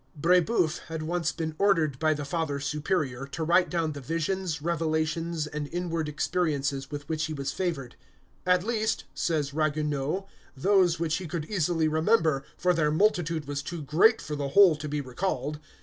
Brébeuf had once been ordered by the Father Superior to write down the visions, revelations, and inward experiences with which he was favored, "at least," says Ragueneau, "those which he could easily remember, for their multitude was too great for the whole to be recalled."